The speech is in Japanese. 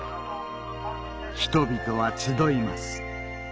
人々は集います